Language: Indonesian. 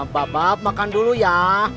bab bab makan dulu ya